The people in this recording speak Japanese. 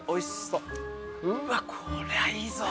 うわこりゃいいぞ。